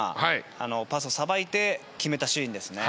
パスさばいて決めたシーンですね。